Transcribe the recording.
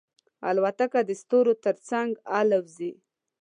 الوتکه د ستورو تر څنګ الوزي.